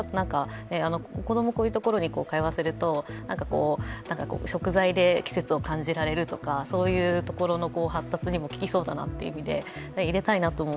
子供をこういうところに通わせると、食材で季節を感じられるとかそういうところの発達にも効きそうだなという意味で入れたいなと思う